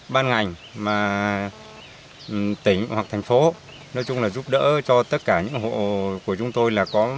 ban ngành tỉnh hoặc thành phố giúp đỡ cho tất cả những hộ của chúng tôi